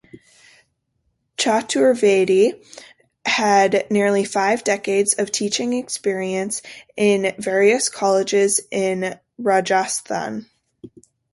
Chaturvedi had nearly five decades of teaching experience in various colleges in Rajasthan.